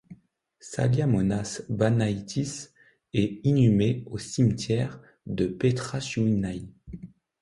Saliamonas Banaitis est inhumé au cimetière de Petrašiūnai.